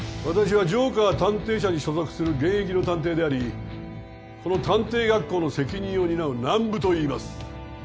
私はジョーカー探偵社に所属する現役の探偵でありこの探偵学校の責任を担う南武といいます。